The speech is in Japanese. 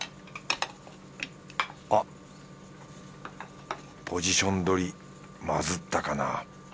あっポジション取りまずったかな